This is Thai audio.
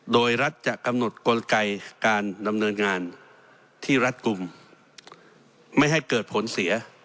โดยรัฐจะกำหนดกลไกการดำเนินงานที่รัดกลุ่มไม่ให้เกิดผลเสีย